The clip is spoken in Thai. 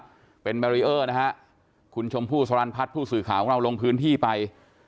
ครับเป็นแบรีเออร์นะฮะคุณชมพู่สรรพัฒน์ผู้สื่อข่าวของเราลงพื้นที่ไป